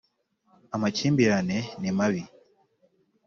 Amakimbirane nimabi.